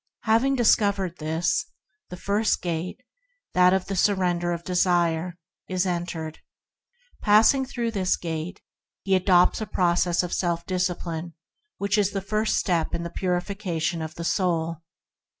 Having discovered this, the first Gate, that of the Surrender of Desire, is THE FINDING OF A PRINCIPLE 45 entered. Passing through this Gate, he adopts a process of self discipline which is the first step in the purification of the soul.